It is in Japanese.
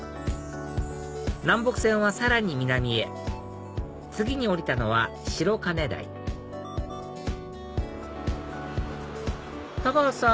南北線はさらに南へ次に降りたのは白金台太川さん